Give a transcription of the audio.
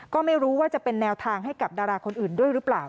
ก็ไม่รู้ว่าจะเป็นแนวทางให้กับดาราคนอื่นด้วยหรือเปล่า